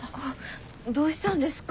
どうしたんですか？